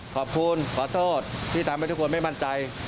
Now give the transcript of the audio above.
ขอโทษที่ทำให้ทุกคนไม่มั่นใจ